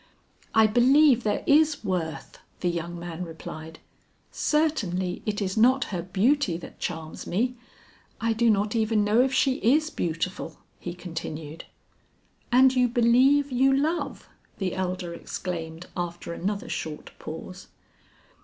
"I believe there is worth," the young man replied; "certainly, it is not her beauty that charms me. I do not even know if she is beautiful," he continued. "And you believe you love!" the elder exclaimed after another short pause.